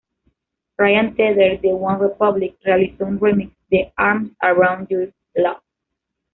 Ryan Tedder de OneRepublic realizó un remix de "Arms Around Your Love".